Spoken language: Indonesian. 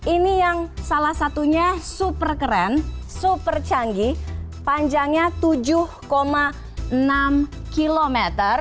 ini yang salah satunya super keren super canggih panjangnya tujuh enam km